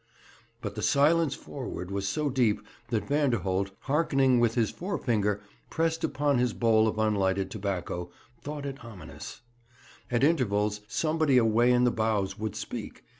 But the silence forward was so deep that Vanderholt, hearkening with his forefinger pressed upon his bowl of unlighted tobacco, thought it ominous. At intervals somebody away in the bows would speak.